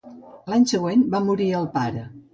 L'any següent va morir el pare.